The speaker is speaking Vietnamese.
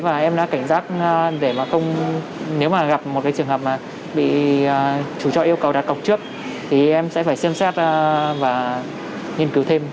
và em đã cảnh giác để mà không nếu mà gặp một cái trường hợp mà bị chủ cho yêu cầu đặt cọc trước thì em sẽ phải xem xét và nghiên cứu thêm